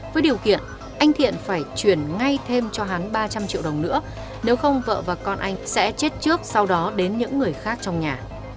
với điều kiện anh thiện phải chuyển ngay thêm cho hắn ba trăm linh triệu đồng nữa nếu không vợ và con anh sẽ chết trước sau đó đến những người khác trong nhà